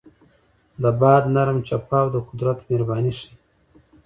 د باد نرم چپاو د قدرت مهرباني ښيي.